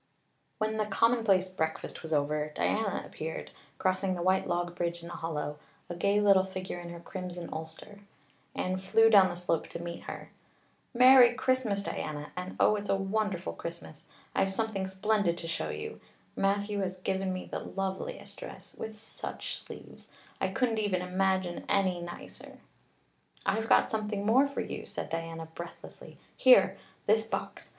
When the commonplace breakfast was over Diana appeared, crossing the white log bridge in the hollow, a gay little figure in her crimson ulster. Anne flew down the slope to meet her. "Merry Christmas, Diana! And oh, it's a wonderful Christmas. I've something splendid to show you. Matthew has given me the loveliest dress, with such sleeves. I couldn't even imagine any nicer." "I've got something more for you," said Diana breathlessly. "Here this box.